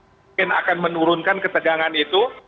mungkin akan menurunkan ketegangan itu